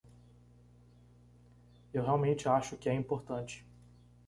Eu realmente acho que é importante.